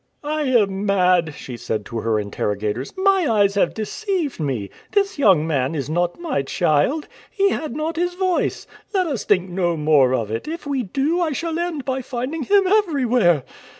"I am mad," she said to her interrogators. "My eyes have deceived me! This young man is not my child. He had not his voice. Let us think no more of it; if we do I shall end by finding him everywhere."